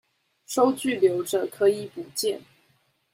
收據留著，可以補件